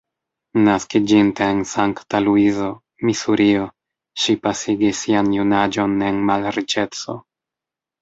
Naskiĝinte en Sankta-Luizo, Misurio, ŝi pasigis sian junaĝon en malriĉeco.